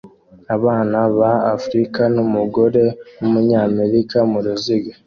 abana ba africa numugore wumunyamerika muruziga